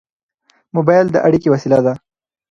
موبایل د اړیکې وسیله ده.